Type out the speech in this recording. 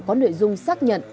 có nội dung xác nhận